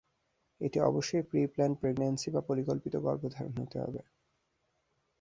এটি অবশ্যই pre-plan pregnancy বা পরিকল্পিত গর্ভধারণ হতে হবে।